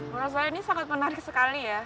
ya menurut saya ini sangat menarik sekali ya